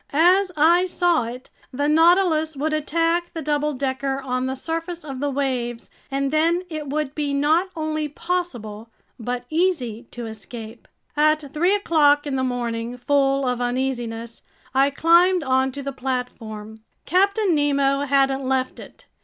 As I saw it, the Nautilus would attack the double decker on the surface of the waves, and then it would be not only possible but easy to escape. At three o'clock in the morning, full of uneasiness, I climbed onto the platform. Captain Nemo hadn't left it.